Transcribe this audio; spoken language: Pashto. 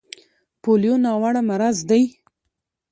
پولیو ناوړه مرض دی.